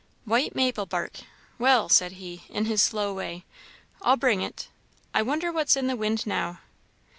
"White maple bark well," said he, in his slow way, "I'll bring it. I wonder what's in the wind now!"